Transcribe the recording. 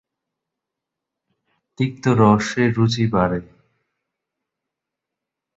তিক্ত রসে রুচি বাড়ে।